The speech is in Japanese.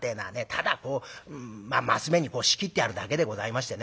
ただこう升目に仕切ってあるだけでございましてね